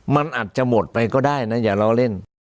มันอาจจะหมดไปก็ได้นะอย่าล้อเล่น